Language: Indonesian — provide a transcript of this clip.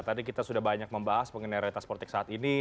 tadi kita sudah banyak membahas mengenai realitas politik saat ini